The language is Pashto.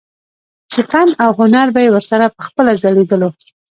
چې فن او هنر به يې ورسره پخپله ځليدلو